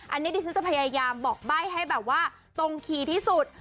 อันนี้ดิฉันจะพยายามบอกไบ้ให้ตรงคีที่สุด